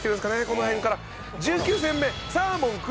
この辺から。